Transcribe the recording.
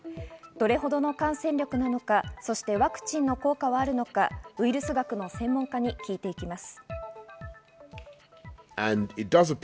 どれほどの感染力なのか、そしてワクチンの効果はあるのか、ウイルス学の専門家に聞いていきます。